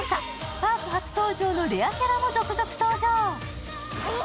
パーク初登場のレアキャラも続々登場。